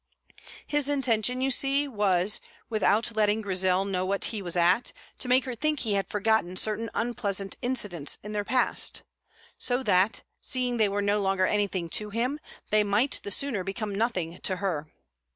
His intention, you see, was, without letting Grizel know what he was at, to make her think he had forgotten certain unpleasant incidents in their past, so that, seeing they were no longer anything to him, they might the sooner become nothing to her.